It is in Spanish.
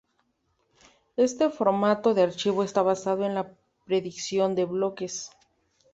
Este formato de archivo está basado en la predicción de bloques.